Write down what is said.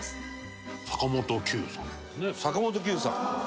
坂本九さん。